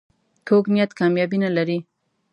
کوږ نیت کامیابي نه لري